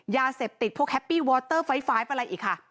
ยาเสพติดพวกแฮปปี้วอเตอร์ไฟฟ้าอะไรอีกค่ะ